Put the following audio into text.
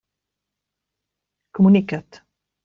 Comunica't.